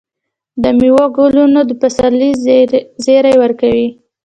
د میوو ګلونه د پسرلي زیری ورکوي.